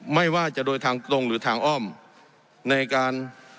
ไม่ว่าจะโดยทางตรงหรือทางอ้อมในการ